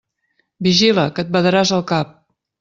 Vigila, que et badaràs el cap!